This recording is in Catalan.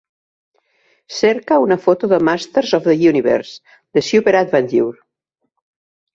Cerca una foto de Masters of the Universe: The Super Adventure